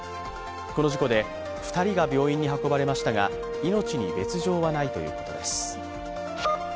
この事故で２人が病院に運ばれましたが命に別状はないとのことです。